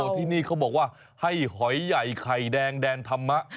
ที่นี่เขาบอกว่าให้หอยใหญ่ไข่แดงแดนธรรมะ